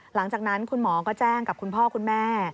หลังจากนั้นคุณหมอก็แจ้งกับคุณพ่อคุณแม่